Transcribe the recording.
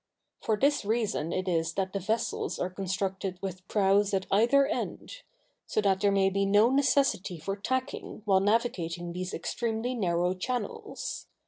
For this reason it is that the vessels are constructed with prows at either end; so that there may be no necessity for tacking while navigating these extremely narrow channels.